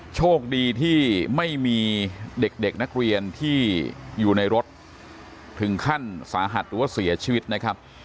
โชคดีที่ไม่มีเด็กนักเรียนที่อยู่ในรถถึงขั้นสาหัสหรือว่าเสียชีวิตนะครับ